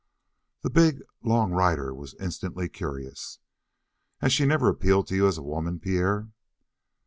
The big long rider was instantly curious. "Has she never appealed to you as a woman, Pierre?"